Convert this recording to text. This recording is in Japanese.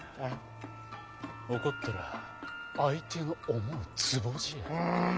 怒ったら相手の思うつぼじゃ。